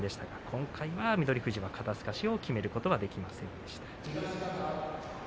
今回は翠富士は肩すかしをきめることはできませんでした。